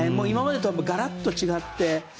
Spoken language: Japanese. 今までとはガラッと違って。